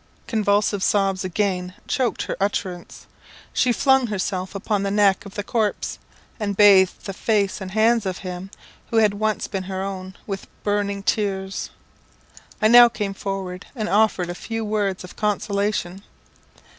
Convulsive sobs again choked her utterance. She flung herself upon the neck of the corpse, and bathed the face and hands of him, who had once been her own, with burning tears. I now came forward, and offered a few words of consolation.